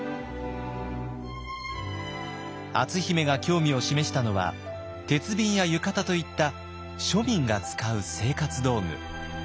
篤姫が興味を示したのは鉄瓶や浴衣といった庶民が使う生活道具。